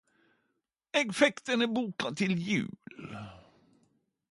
Eg fekk denne boka til jul.